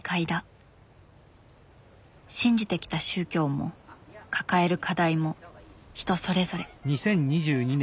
信じてきた宗教も抱える課題も人それぞれ。